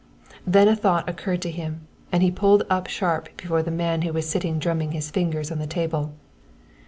Then a thought occurred to him and he pulled up sharp before the man who was sitting drumming his fingers on the table.